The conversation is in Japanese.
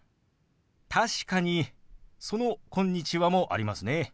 確かにその「こんにちは」もありますね。